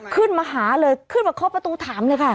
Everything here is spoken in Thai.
ขึ้นมาหาเลยขึ้นมาเคาะประตูถามเลยค่ะ